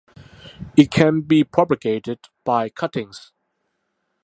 It can be propagated by cuttings.